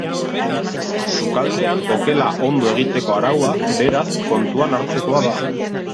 Sukaldean okela ondo egiteko araua, beraz, kontuan hartzekoa da.